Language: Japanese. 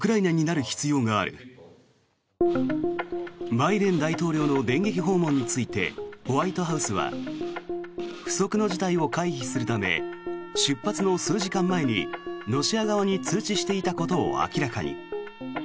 バイデン大統領の電撃訪問についてホワイトハウスは不測の事態を回避するため出発の数時間前にロシア側に通知していたことを明らかに。